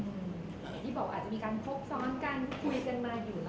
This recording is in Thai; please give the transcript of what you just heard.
อย่างที่บอกอาจจะมีการคบซ้อนกันคุยกันมาอยู่แล้ว